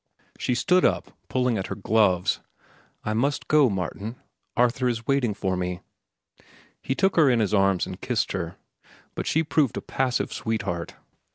She stood up, pulling at her gloves. "I must go, Martin. Arthur is waiting for me." He took her in his arms and kissed her, but she proved a passive sweetheart.